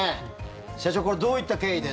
社長、これどういった経緯で。